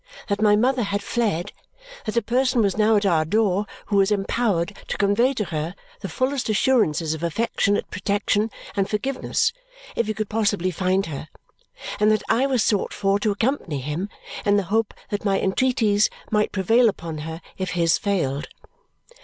That my mother had fled, that a person was now at our door who was empowered to convey to her the fullest assurances of affectionate protection and forgiveness if he could possibly find her, and that I was sought for to accompany him in the hope that my entreaties might prevail upon her if his failed.